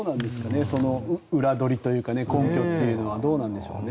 裏取りというか根拠というのはどうなんでしょうね。